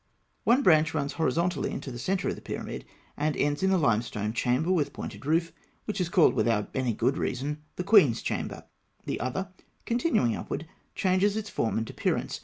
One branch runs horizontally into the centre of the pyramid, and ends in a limestone chamber with pointed roof, which is called, without any good reason, "The Queen's Chamber." The other, continuing upward, changes its form and appearance.